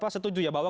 setuju ya bahwa